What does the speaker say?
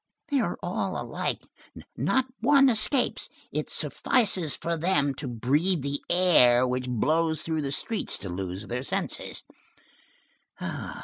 They are all alike. Not one escapes. It suffices for them to breathe the air which blows through the street to lose their senses.